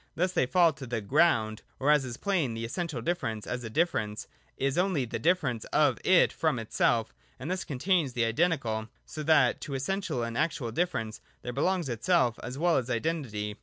Thus they fall to the Ground. — Or as is plain, the essential difference, as a difference, is only the difference of it from itself, and thus contains the identical : so that to essential and actual difference there belongs itself as well as iden tity.